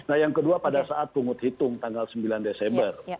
kalau pada saat pengut hitung tanggal sembilan desember